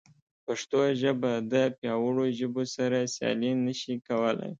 پښتو ژبه د پیاوړو ژبو سره سیالي نه شي کولی.